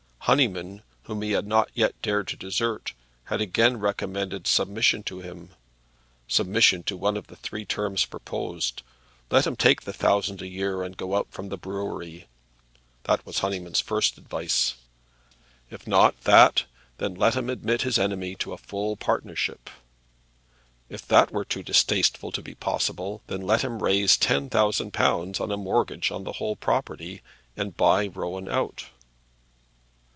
Honyman, whom he had not yet dared to desert, had again recommended submission to him, submission to one of the three terms proposed. Let him take the thousand a year and go out from the brewery. That was Honyman's first advice. If not that, then let him admit his enemy to a full partnership. If that were too distasteful to be possible, then let him raise ten thousand pounds on a mortgage on the whole property, and buy Rowan out.